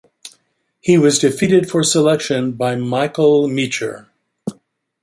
He was defeated for selection by Michael Meacher.